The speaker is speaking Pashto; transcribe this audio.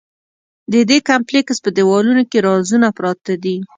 د دې کمپلېکس په دیوالونو کې رازونه پراته دي.